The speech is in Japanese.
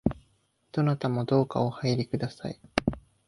どなたもどうかお入りください